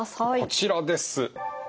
こちらです。